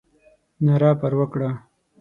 ناره پر وکړه.